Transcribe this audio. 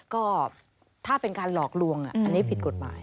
ก็ถ้าเป็นการหลอกลวงอันนี้ผิดกฎหมาย